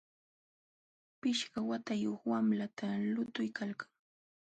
Pishqa watayuq wamlatam lutuykalkan.